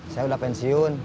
saya udah pensiun